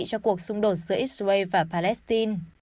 cho cuộc xung đột giữa israel và palestine